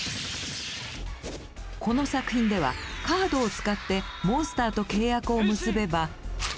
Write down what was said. この作品ではカードを使ってモンスターと契約を結べば。